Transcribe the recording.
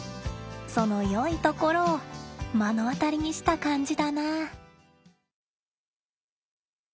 そのよいところを目の当たりにした感じだな。